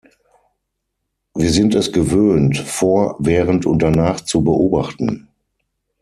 Wir sind es gewöhnt, vor, während und danach zu beobachten.